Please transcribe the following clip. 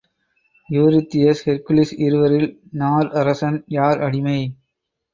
Eurystheus, Hercules.... இருவரில் நார் அரசன், யார் அடிமை?